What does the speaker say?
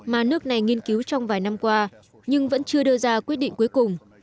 mà nước này nghiên cứu trong vài năm qua nhưng vẫn chưa đưa ra quyết định cuối cùng